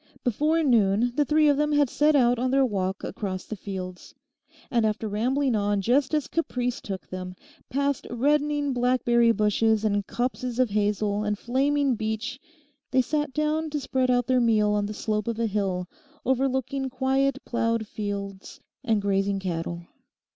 Before noon the three of them had set out on their walk across the fields. And after rambling on just as caprice took them, past reddening blackberry bushes and copses of hazel, and flaming beech, they sat down to spread out their meal on the slope of a hill, overlooking quiet ploughed fields and grazing cattle.